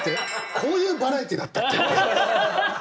こういうバラエティーだったっけ？